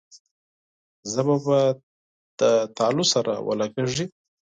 ژبه به د تالو سره ولګېږي.